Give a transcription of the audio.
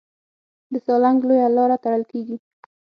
د سالنګ لویه لاره تړل کېږي.